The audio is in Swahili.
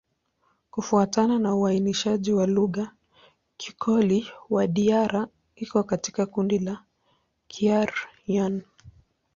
Kufuatana na uainishaji wa lugha, Kikoli-Wadiyara iko katika kundi la Kiaryan.